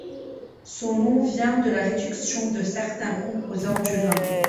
Son nom vient de la réduction de certains composants du vin.